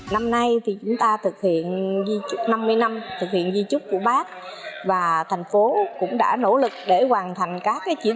năm nay thì chúng ta thực hiện di trúc năm mươi năm thực hiện di trúc của bác và thành phố cũng đã nỗ lực để hoàn thành các chỉ tiêu